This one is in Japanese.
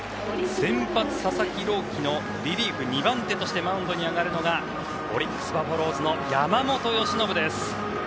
先発、佐々木朗希のリリーフ２番手としてマウンドに上がるのがオリックス・バファローズの山本由伸です。